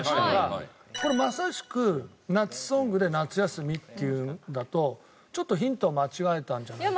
これまさしく夏ソングで「夏休み」っていうのだとちょっとヒントを間違えたんじゃないかな？